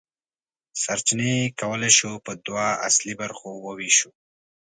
سرچینې کولی شو په دوه اصلي برخو وویشو.